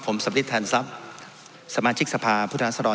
ผมสำริทแทนทรัพย์สมาชิกสภาพุทธศดร